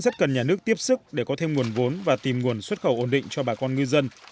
rất cần nhà nước tiếp sức để có thêm nguồn vốn và tìm nguồn xuất khẩu ổn định cho bà con ngư dân